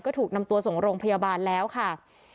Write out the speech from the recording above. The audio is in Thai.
ก็ถูกนำตัวส่งโรงพยาบาลแล้วค่ะ